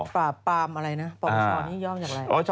ปราบปรามอะไรนะปราบประชอนี่ย่อมจากอะไร